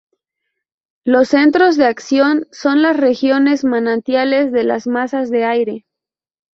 Los centros de acción son las regiones manantiales de las masas de aire.